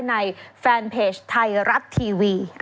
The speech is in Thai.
ในแฟนเพจไทยรัฐทีวี